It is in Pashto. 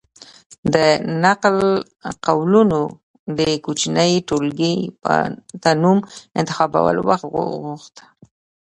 د نقل قولونو دې کوچنۍ ټولګې ته نوم انتخابول وخت وغوښت.